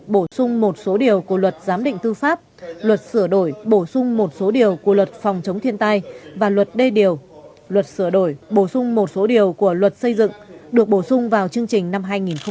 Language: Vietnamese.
bổ sung một số điều của luật giám định tư pháp luật sửa đổi bổ sung một số điều của luật phòng chống thiên tai và luật đê điều luật sửa đổi bổ sung một số điều của luật xây dựng được bổ sung vào chương trình năm hai nghìn một mươi